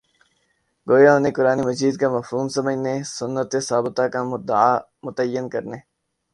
گویا انھیں قرآنِ مجیدکامفہوم سمجھنے، سنتِ ثابتہ کا مدعا متعین کرنے